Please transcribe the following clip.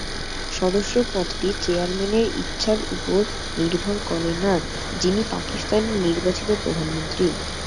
সদস্য পদটি চেয়ারম্যানের ইচ্ছার উপর নির্ভর করে না, যিনি পাকিস্তানের নির্বাচিত প্রধানমন্ত্রী।